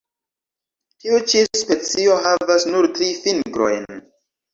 Tiu ĉi specio havas nur tri fingrojn.